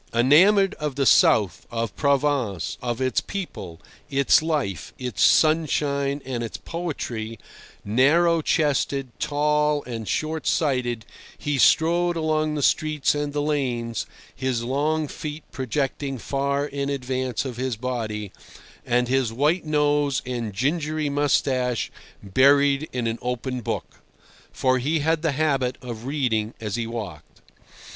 Enamoured of the South, of Provence, of its people, its life, its sunshine and its poetry, narrow chested, tall and short sighted, he strode along the streets and the lanes, his long feet projecting far in advance of his body, and his white nose and gingery moustache buried in an open book: for he had the habit of reading as he walked.